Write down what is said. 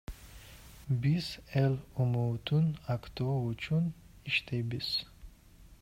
Биз эл үмүтүн актоо үчүн иштейбиз.